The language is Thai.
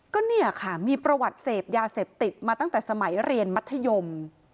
ก็เนี่ยค่ะมีประวัติเสพยาเสพติดมาตั้งแต่สมัยเรียนมัธยม